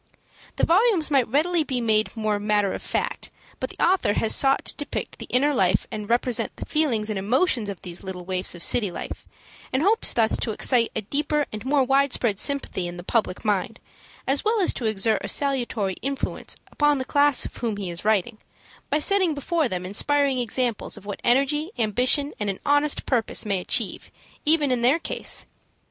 The volumes might readily be made more matter of fact, but the author has sought to depict the inner life and represent the feelings and emotions of these little waifs of city life, and hopes thus to excite a deeper and more widespread sympathy in the public mind, as well as to exert a salutary influence upon the class of whom he is writing, by setting before them inspiring examples of what energy, ambition, and an honest purpose may achieve, even in their case.